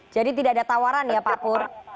jadi tidak ada tawaran ya pak pur